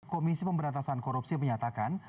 komisi pemberantasan korupsi menyatakan